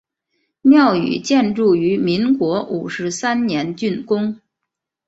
庙宇建筑于民国五十三年竣工。